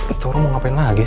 itu orang mau ngapain lagi